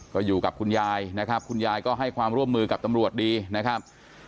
ก็อยู่กับคุณยายนะครับคุณยายก็ให้ความร่วมมือกับตำรวจดีนะครับ